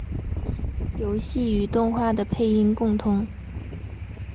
游戏与动画的配音共通。